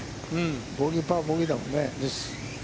ボギー、パー、ボギーだもんね。